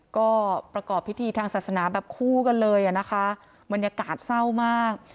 ก็ประกอบพิธีทางศาสนาแบบคู่กันเลยอ่ะนะคะบรรยากาศเศร้ามาก